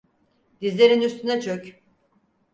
Dizlerinin üstüne çök!